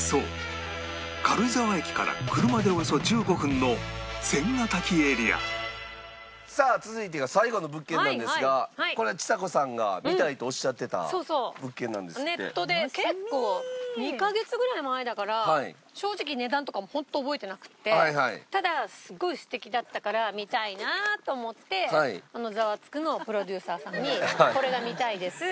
軽井沢駅から車でおよそ１５分の千ヶ滝エリアさあ続いてが最後の物件なんですがこれネットで結構２カ月ぐらい前だから正直値段とかもホント覚えてなくてただすごい素敵だったから見たいなと思って『ザワつく！』のプロデューサーさんに「これが見たいです」